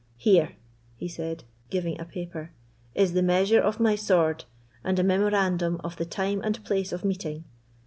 Here," he said, giving a paper, "is the measure of my sword, and a memorandum of the time and place of meeting.